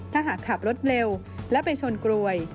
ถ้าหากขับรถเร็วและไปชนกรวย